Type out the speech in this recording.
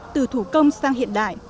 từ thủ công sang hiện đại